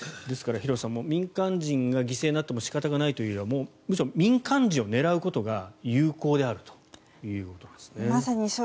ですから、廣瀬さん民間人が犠牲になっても仕方がないというよりもむしろ民間人を狙うことが有効であるということですね。